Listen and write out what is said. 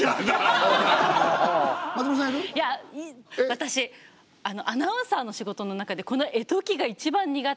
私アナウンサーの仕事の中でこの絵解きが一番苦手で。